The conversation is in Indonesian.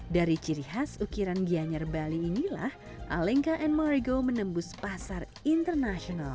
dari ciri khas ukiran gianyar bali inilah alenka and margo menembus pasar internasional